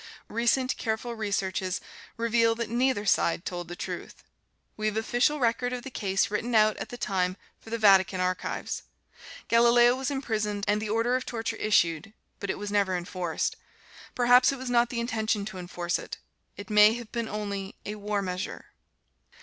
Recent careful researches reveal that neither side told the truth. We have official record of the case written out at the time for the Vatican archives. Galileo was imprisoned and the order of torture issued, but it was never enforced. Perhaps it was not the intention to enforce it: it may have been only a "war measure."